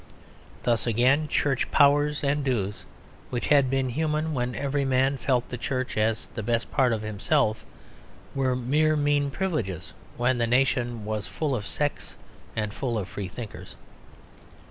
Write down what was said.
Thus again Church powers and dues, which had been human when every man felt the Church as the best part of himself, were mere mean privileges when the nation was full of sects and full of freethinkers.